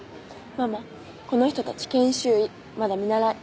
ママこの人たち研修医まだ見習い。